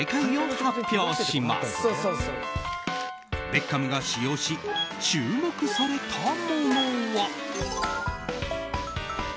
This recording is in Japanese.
ベッカムが使用し注目されたものは。